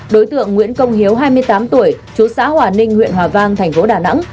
đối tượng nguyễn công hiếu hai mươi tám tuổi chú xã hòa ninh huyện hòa vang thành phố đà nẵng